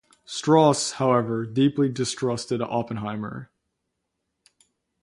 Strauss, however, deeply distrusted Oppenheimer.